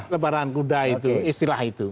lebaran kuda itu istilah itu